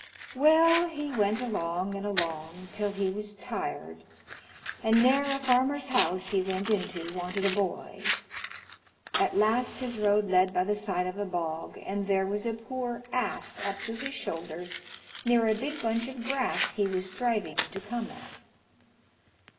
Well, he went along and along till he was tired, and ne'er a farmer's house he went into wanted a boy At last his road led by the side of a bog, and there was a poor ass up to his shoulders near a big bunch of grass he was striving to come at.